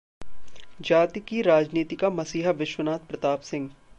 जाति की राजनीति का मसीहा विश्वनाथ प्रताप सिंह